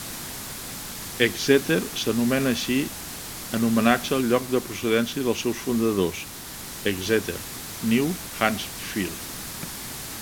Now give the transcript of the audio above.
Exeter s'anomena així en homenatge al lloc de procedència dels seus fundadors, Exeter (New Hampshire).